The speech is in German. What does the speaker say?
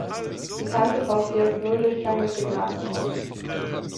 Die Kante taucht hier als Nulldurchgang des Signals auf.